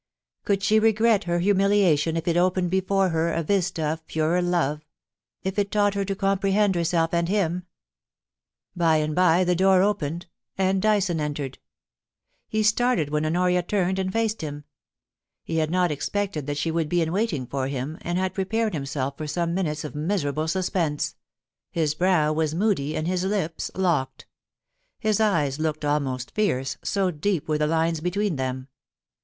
Could she regret her humiliation if it opened before her a vista of purer love — if it taught her to comprehend herself and him ? By and by the door opened, and Dyson entered. He started when Honoria turned and faced him ; he had not expected that she would be in waiting for him, and had prepared himself for some minutes of miserable suspense. His brow was moody, and his lips locked : his eyes looked almost fierce, so deep were the lines between them.